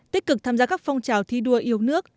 tích cực tham gia các phong trào thi đua yêu nước